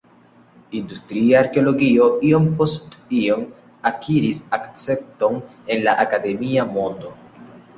Industria arkeologio iom post iom akiris akcepton en la akademia mondo.